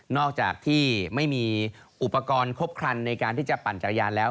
อกจากที่ไม่มีอุปกรณ์ครบครันในการที่จะปั่นจักรยานแล้ว